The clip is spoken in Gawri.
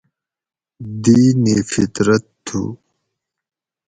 دینِ فطرت تھو